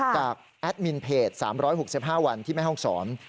จากแอดมินเพจ๓๖๕วันที่แม่ห้องสรรค์